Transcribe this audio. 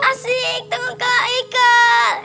asik tengok kak haikal